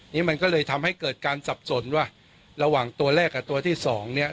นี่มันก็เลยทำให้เกิดการสับสนว่าระหว่างตัวแรกกับตัวที่สองเนี่ย